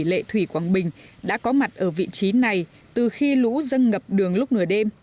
lệ thủy quảng bình đã có mặt ở vị trí này từ khi lũ dâng ngập đường lúc nửa đêm